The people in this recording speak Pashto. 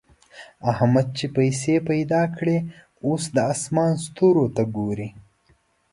احمد چې پيسې پیدا کړې؛ اوس د اسمان ستورو ته ګوري.